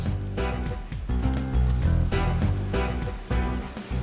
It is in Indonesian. terima kasih pak